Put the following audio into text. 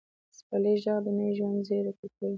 د پسرلي ږغ د نوي ژوند زیری ورکوي.